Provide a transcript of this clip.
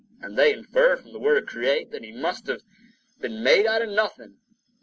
And they infer, from the word create, that it must have been made out of nothing.